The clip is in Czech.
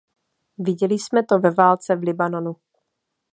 Viděli jsme to ve válce v Libanonu.